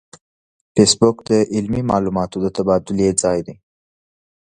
فېسبوک د علمي معلوماتو د تبادلې ځای دی